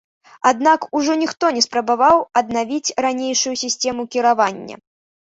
Аднак ужо ніхто не спрабаваў аднавіць ранейшую сістэму кіравання.